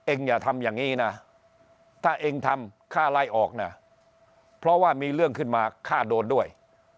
อย่าทำอย่างนี้นะถ้าเองทำค่าไล่ออกนะเพราะว่ามีเรื่องขึ้นมาฆ่าโดนด้วย